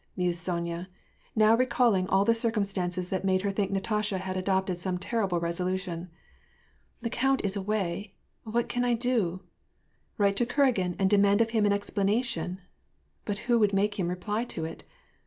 mused Sonya, now rf calling all the cir cumstances that now made her think Natasha had adopted some terrible resolution. " The count is away. What can I do ? Write to Kuragin and demand of him an explanation ? But who would make him reply to it?